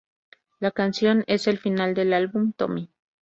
La canción es el final del álbum "Tommy".